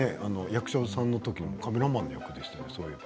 役所さんのときもカメラマンの役でしたね。